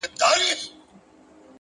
هره ورځ د ځان د بدلولو فرصت دی،